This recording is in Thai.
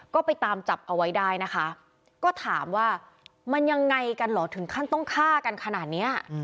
ก็ไปตามจับเอาไว้ได้นะคะก็ถามว่ามันยังไงกันเหรอถึงขั้นต้องฆ่ากันขนาดนี้